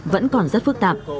vẫn còn rất phức tạp